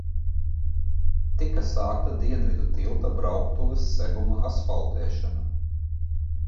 Tika sākta Dienvidu tilta brauktuves seguma asfaltēšana.